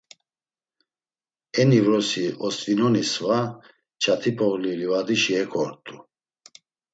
Eni vrosi ost̆vinoni sva Çat̆ip̌oğli livadişi heko ort̆u.